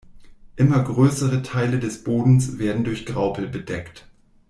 Immer größere Teile des Bodens werden durch Graupel bedeckt.